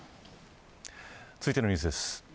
続いてのニュースです。